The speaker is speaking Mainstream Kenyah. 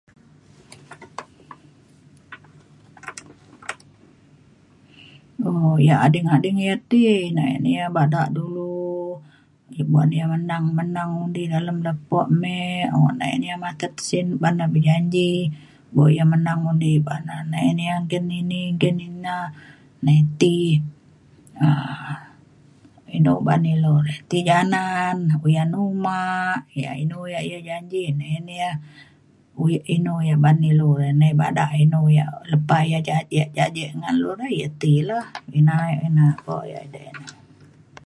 um yak ading ading yak ti na ina na ia’ bada dulu buk ia’ menang menang undi dalem lepo me un na ia’ matet sin ban na berjanji buk ya menang undi ba nai na ia’ nggin ini nggin ina nai ti um inu uban ilu re ti janan uyan uma yak inu yak ia’ janji nai ne ya u inu uyan ba’an ilu nai bada inu yak lepa ia’ janji ngan lu re ya ti re. ina ina buk ia’ edei na.